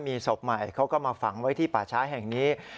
มีศพใหม่เขาก็มาฝังไว้ที่ป่าช้าแห่งนี้